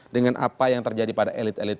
dengan apa yang terjadi pada elit elit